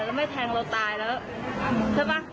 แล้วไม่แทงเราตายแล้วใช่ไหม